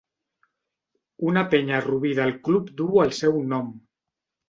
Una penya a Rubí del club duu el seu nom.